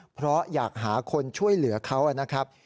เพราะอยากหาคนช่วยเหลือเขานะครับ